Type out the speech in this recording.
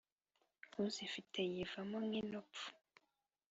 Uzifite yivamo nk'inopfu!"